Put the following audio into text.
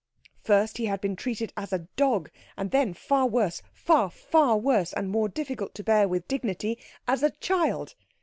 First he had been treated as a dog, and then, far worse, far, far worse and more difficult to bear with dignity, as a child.